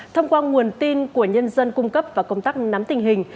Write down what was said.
thông qua nguồn tin của nhân dân cung cấp và công tác nắm tình hình